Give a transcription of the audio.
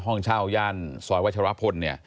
ห้องเช่าย่านซอยวัชรพล